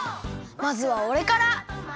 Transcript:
まずはおれから！